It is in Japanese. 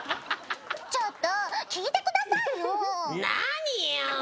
ちょっと聞いてくださいよ！